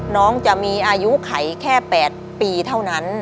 น้องจะมีอายุไขแค่๘ปีเท่านั้น